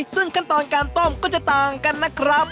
ซึ่งขั้นตอนการต้มก็จะต่างกันนะครับ